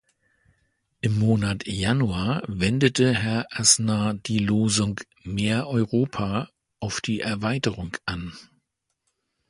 Im Monat Januar wendete Herr Aznar die Losung "Mehr Europa" auf die Erweiterung an.